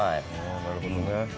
なるほどね。